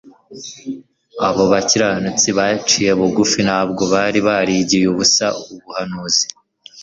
Abo bakiranutsi baciye bugufi ntabwo bari barigiye ubusa ubuhanuzi.